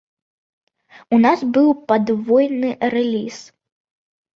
У нас быў падвойны рэліз.